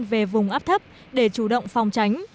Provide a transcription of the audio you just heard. về vùng áp thấp để chủ động phòng tránh